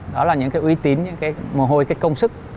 đó là những cái uy tín những cái mồ hôi cái công sức